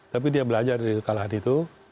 tapi dia belajar dari kalah itu